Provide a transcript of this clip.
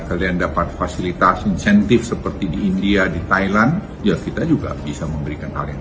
kalian dapat fasilitas insentif seperti di india di thailand ya kita juga bisa memberikan hal yang